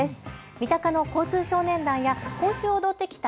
三鷹の交通少年団や今週踊ってきた